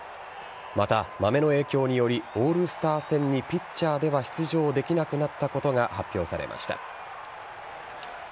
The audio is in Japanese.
また、まめの影響によりオールスター戦にピッチャーでは出場できなくなったことが発表されました。